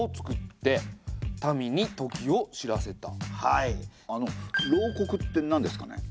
えとあの「漏刻」って何ですかね？